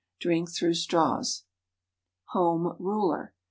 Drink through straws. _Home Ruler.